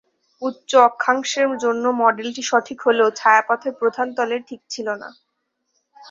উচ্চ অক্ষাংশের জন্য মডেলটি সঠিক হলেও ছায়াপথের প্রধান তলে ঠিক ছিল না।